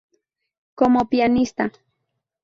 Como pianista.